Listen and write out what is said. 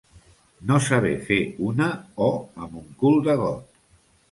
No saber fer una o amb un cul de got.